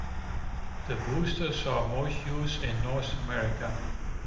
The booster saw most use in North America.